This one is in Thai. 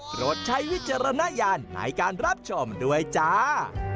ใช้วิจารณญาณในการรับชมด้วยจ้า